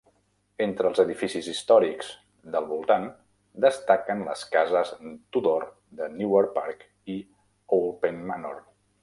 Entre els edificis històrics del voltant destaquen les cases Tudor de Newark Park i Owlpen Manor.